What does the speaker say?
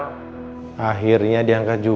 masa ini dituradd nunggu dah nunggu